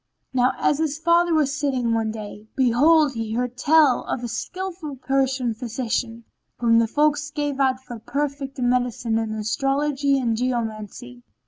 Now as his father was sitting one day, behold he heard tell of a skillful Persian physician, whom the folk gave out for perfect in medicine and astrology and geomancy.